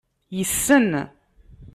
Yessen.